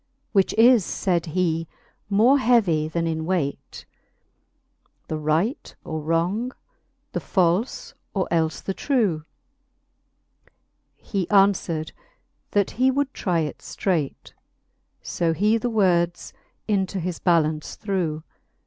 Which is, fayd he, more heavy then in weight, The right or wrong, the falfe or elfe the trew? He anfwered, that he would try it fteight, So he the words into his ballaunce threw.